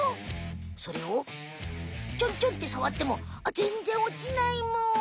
それをちょんちょんってさわってもぜんぜんおちないむ。